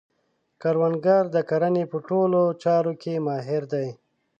کروندګر د کرنې په ټولو چارو کې ماهر دی